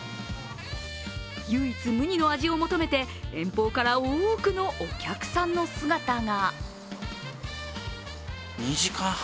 唯一無二の味を求めて、遠方から多くのお客さんの姿が。